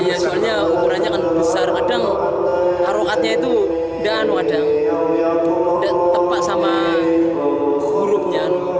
iya soalnya ukurannya kan besar kadang al quran raksasa itu tidak tepat sama hurufnya